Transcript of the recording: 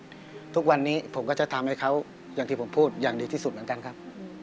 ทุกวันนี้ผมก็จะทำให้เขาอย่างที่ผมพูดอย่างดีที่สุดเหมือนกันครับ